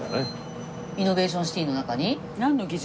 イノベーションシティの中に？